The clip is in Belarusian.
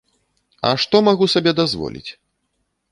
А што магу сабе дазволіць?